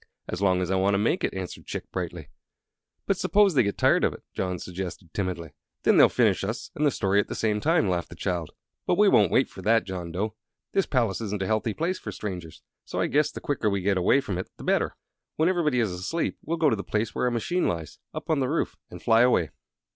"As long as I want to make it," answered Chick, brightly. "But suppose they get tired of it?" John suggested, timidly. "Then they'll finish us and the story at the same time," laughed the child. "But we won't wait for that, John Dough. This palace isn't a healthy place for strangers, so I guess the quicker we get away from it the better. When everybody is asleep we'll go to the place where our machine lies, up on the roof, and fly away."